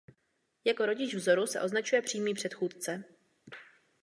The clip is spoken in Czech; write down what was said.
Jako rodič vzoru se označuje přímý předchůdce.